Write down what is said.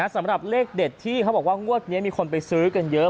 สำหรับเลขเด็ดที่เขาบอกว่างวดนี้มีคนไปซื้อกันเยอะ